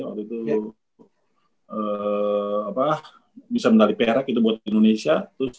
waktu itu apa bisa mendali perek itu buat indonesia